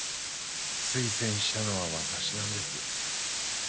推薦したのは私なんです。